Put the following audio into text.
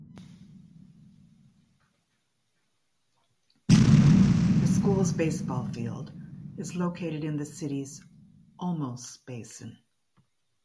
The school's baseball field is located in the city's Olmos Basin.